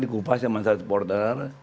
dikupas sama satu supporter